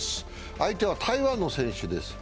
相手は台湾の選手です。